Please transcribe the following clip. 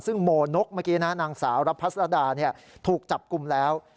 ซึ่งโมนกเมื่อกี้นะนางสาวรับพัสรดาถูกจับกลุ่มแล้ว